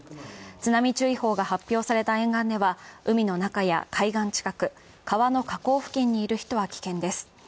津波注意報が発表された沿岸では海の中や海岸近く、川の河口付近にいる人は危険です。